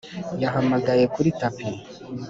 yahamagaye kuri tapi.